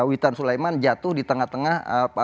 witan sulaiman jatuh di tengah tengah